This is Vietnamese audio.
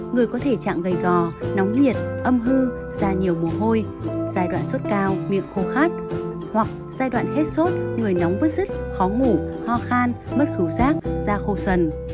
người có thể trạng gây gò nóng nhiệt âm hư da nhiều mồ hôi giai đoạn sốt cao miệng khô khát hoặc giai đoạn hết sốt người nóng vứt rứt khó ngủ ho khan mất khấu rác da khô sần